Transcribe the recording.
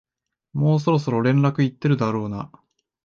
もうそろそろ連絡行ってるだろうな